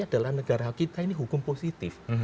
adalah negara kita ini hukum positif